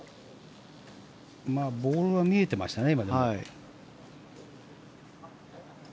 ボールは見えてましたね。